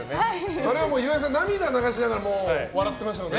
これは岩井さん涙を流しながら笑ってましたもんね。